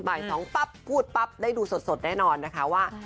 บ่าย๒ปั๊บพูดปั๊บได้ดูสดแน่นอนนะคะว่า